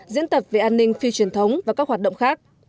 diễn tập về an ninh phi truyền thống và các hoạt động khác